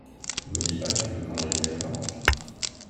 Me dis pas que tu veux cambrioler la banque.